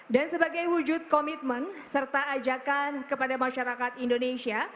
dan sebagai wujud komitmen serta ajakan kepada masyarakat indonesia